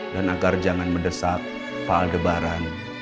dan agar jangan mendesak pak aldebaran